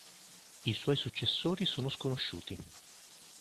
I suoi successori sono sconosciuti.